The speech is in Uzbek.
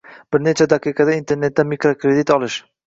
- bir necha daqiqada Internetda mikrokredit olish ;